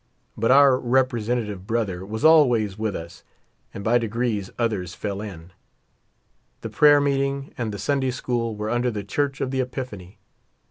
But our representative brother was always with us, and by degrees others fell in. The prayer meeting and the Sun day school were under the Church of the Epiphany.